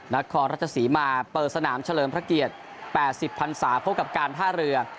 นครราชสีมาเปิดสนามเฉลิมพระเกียรติ๘๐พันศาพบกับการท่าเรือ